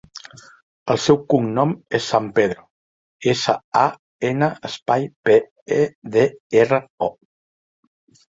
El seu cognom és San Pedro: essa, a, ena, espai, pe, e, de, erra, o.